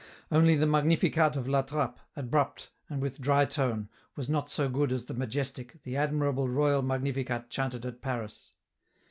Only the Magnificat of La Trappe, abrupt, and with dry tone, was not so good as the majestic, the admirable Royal Magnificat chanted at Paris.